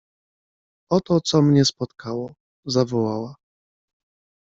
— Oto, co mnie spotkało! — zawołała.